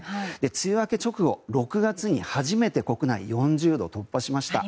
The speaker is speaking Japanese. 梅雨明け直後６月に初めて国内４０度突破しました。